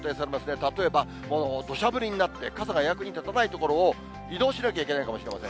例えばどしゃ降りになって、傘が役に立たない所を移動しなきゃいけないかもしれません。